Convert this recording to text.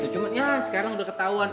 cuman ya sekarang udah ketahuan